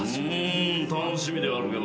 楽しみではあるけども。